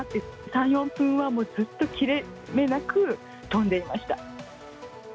３、４分は、もうずっと切れ目なく飛んでいました。